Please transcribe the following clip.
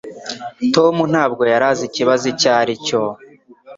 Tom ntabwo yari azi ikibazo icyo aricyo